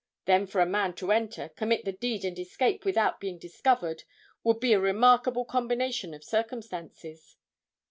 Then for a man to enter, commit the deed and escape without being discovered, would be a remarkable combination of circumstances."